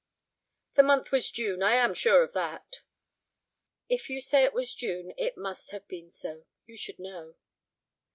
"The month was June; I am sure of that." "If you say it was June it must have been so. You should know."